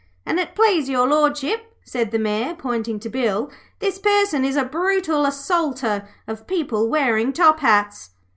'An' it please Your Lordship,' said the Mayor, pointing to Bill, 'this person is a brutal assaulter of people wearing top hats.'